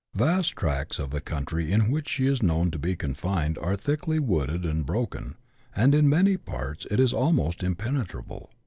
Vast tracts of the country in which she is known to be confined are thickly wooded and broken, and in many parts it is almost impenetrable.